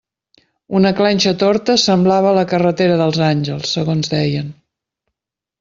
Una clenxa torta semblava la carretera dels Àngels, segons deien.